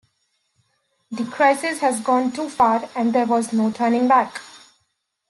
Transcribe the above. The crisis had gone too far and there was no turning back.